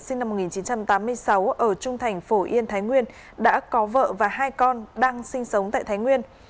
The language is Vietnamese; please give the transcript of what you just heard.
sinh năm một nghìn chín trăm tám mươi sáu ở trung thành phổ yên thái nguyên đã có vợ và hai con đang sinh sống tại thái nguyên